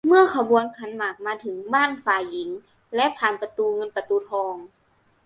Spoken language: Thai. เมื่อขบวนขันหมากมาถึงบ้านฝ่ายหญิงและผ่านประตูเงินประตูทอง